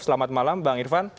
selamat malam bang irfan